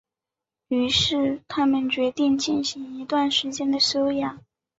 于是他们决定进行一段时间的休养。